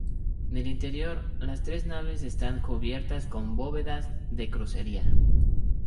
En el interior, las tres naves están cubiertas con bóvedas de crucería.